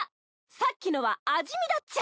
さっきのは味見だっちゃ。